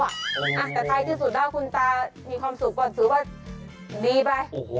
ได้แล้วอะอ่ะแต่ใครที่สุดบ้างคุณตามีความสุขบอบถือว่าดีไปโอ้โห